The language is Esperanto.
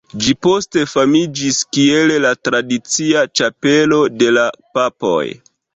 Ĝi poste famiĝis kiel la tradicia ĉapelo de la papoj.